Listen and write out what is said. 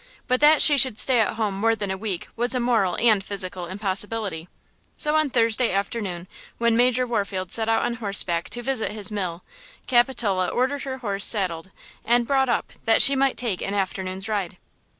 But that she should stay at home more than a week was a moral and physical impossibility. So on Thursday afternoon, when Major Warfield set out on horseback to visit his mill, Capitola ordered her horse saddled and brought up that she might take an afternoon's ride.